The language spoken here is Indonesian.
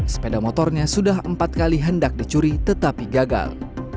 sepeda motornya sudah empat kali hendak dicuri tetapi gagal